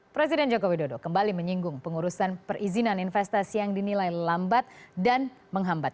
presiden joko widodo kembali menyinggung pengurusan perizinan investasi yang dinilai lambat dan menghambat